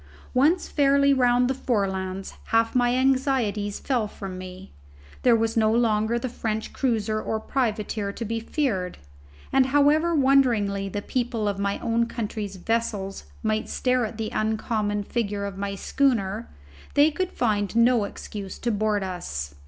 Once fairly round the Forelands half my anxieties fell from me. There was no longer the French cruiser or privateer to be feared, and however wonderingly the people of my own country's vessels might stare at the uncommon figure of my schooner, they could find no excuse to board us.